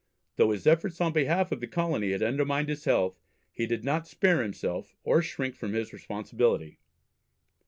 Though his efforts on behalf of the colony had undermined his health, he did not spare himself or shrink from his responsibility.